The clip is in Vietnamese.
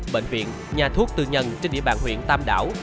bệnh viện nhà thuốc tư nhân trên địa bàn huyện tam đảo